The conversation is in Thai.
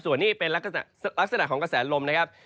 ส่วนนี้เป็นลักษณะของกระแสลมนะครับ